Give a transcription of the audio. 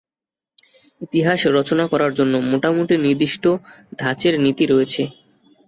ইতিহাস রচনা করার জন্য মোটামুটি নির্দিষ্ট ধাঁচের নীতি রয়েছে।